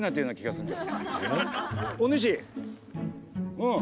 うん。